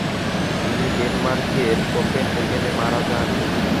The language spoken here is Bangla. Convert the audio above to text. তিনি ডেনমার্কের কোপেনহেগেনে মারা যান।